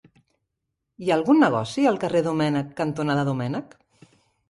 Hi ha algun negoci al carrer Domènech cantonada Domènech?